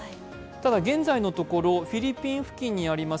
現在のところフィリピン付近にあります